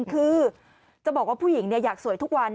คือจะบอกว่าผู้หญิงอยากสวยทุกวัน